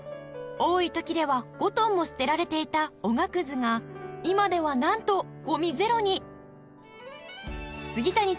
多い時では５トンも捨てられていたおがくずが今ではなんとゴミゼロに！